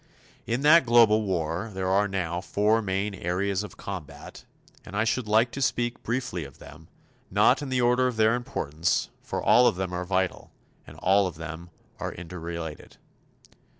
In that global war there are now four main areas of combat; and I should like to speak briefly of them, not in the order of their importance, for all of them are vital and all of them are interrelated.